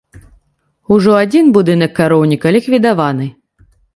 Ужо адзін будынак кароўніка ліквідаваны.